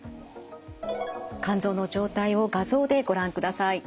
肝臓の状態を画像でご覧ください。